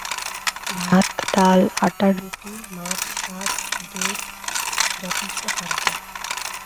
ভাত, ডাল, আটার রুটি, মাছ, শাক, দুধ যথেষ্ট খাদ্য।